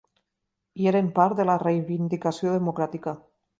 I eren part de la reivindicació democràtica.